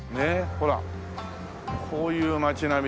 ほらこういう街並みですよ。